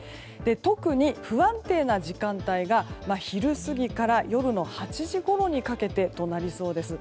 特に不安定な時間帯が昼過ぎから夜の８時ごろにかけてになりそうです。